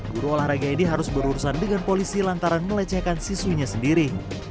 guru olahraga ini harus berurusan dengan polisi lantaran melecehkan siswinya sendiri